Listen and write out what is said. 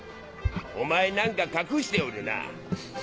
お前何か隠しておるな。